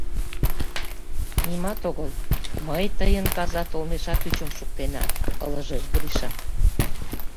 — Нимат огыл, ме тыйын казат олмешат ӱчым шуктена, — ылыжеш Гриша.